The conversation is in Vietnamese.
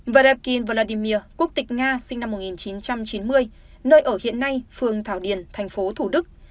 verbin vladimir quốc tịch nga sinh năm một nghìn chín trăm chín mươi nơi ở hiện nay phường thảo điền thành phố thủ đức